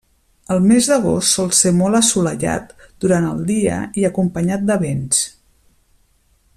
El mes d'agost sol ser molt assolellat durant el dia i acompanyat de vents.